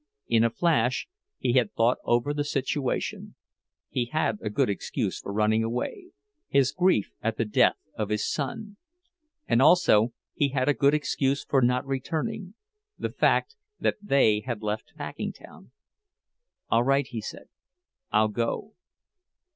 In a flash he had thought over the situation. He had a good excuse for running away—his grief at the death of his son; and also he had a good excuse for not returning—the fact that they had left Packingtown. "All right," he said, "I'll go."